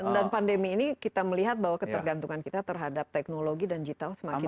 dan pandemi ini kita melihat bahwa ketergantungan kita terhadap teknologi dan digital semakin meningkat